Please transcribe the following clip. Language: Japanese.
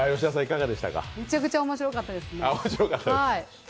めちゃくちゃ面白かったですね。